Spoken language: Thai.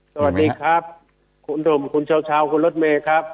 สวัสดีครับคุณธุมคุณเช้าเช้าคุณรถเมครับ